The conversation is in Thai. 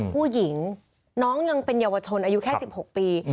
ผู้หญิงน้องยังเป็นเยาวชนอายุแค่๑๖ปี